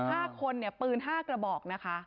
ห้าคนเนี่ยปืนห้ากระบอกนะคะ